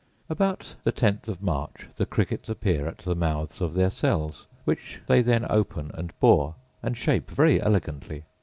About the tenth of March the crickets appear at the mouths of their cells, which they then open and bore, and shape very elegantly.